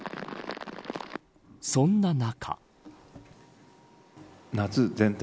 そんな中。